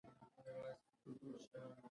که ډېر خلک باور بدل کړي، نظم بدلېږي.